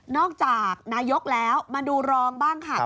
จากนายกแล้วมาดูรองบ้างค่ะ